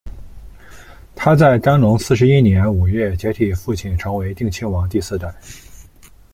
他在干隆四十一年五月接替父亲成为定亲王第四代。